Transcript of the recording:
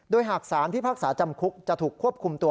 โดยหากสารพิพากษาจำคุกจะถูกควบคุมตัว